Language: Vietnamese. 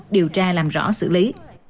điều tra làm rõ xử lý